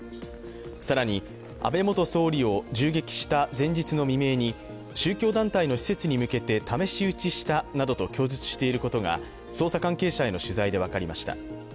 更に、安倍元総理を銃撃した前日の未明に宗教団体の施設に向けて試し撃ちしたなどと供述していることが捜査関係者への取材で分かりました。